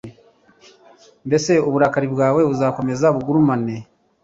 Mbese uburakari bwawe buzakomeza bugurumane?